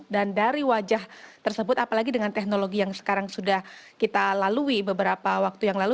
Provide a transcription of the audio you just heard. dan dari wajah tersebut apalagi dengan teknologi yang sekarang sudah kita lalui beberapa waktu yang lalu